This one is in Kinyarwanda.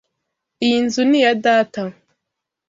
Iyi nzu ni iya data.